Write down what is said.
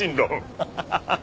ハハハハハ！